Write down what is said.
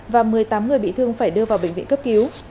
và một mươi tám người bị thương phải đưa vào bệnh viện cấp cứu